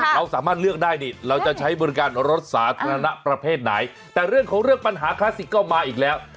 เราสามารถเลือกได้นี่เราจะใช้บริการรถสาธารณะประเภทไหนแต่เรื่องของเรื่องปัญหาคลาสสิกก็มาอีกแล้ว